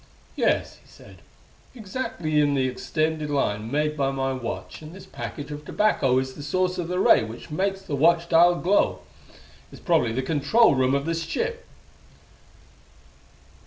"Yes," he said, " exactly in the extended line made by my watch and this package of tobacco is the source of the ray which makes the watch dial glow. It's probably the control room of this ship."